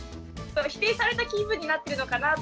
否定された気分になってるのかなぁと思って。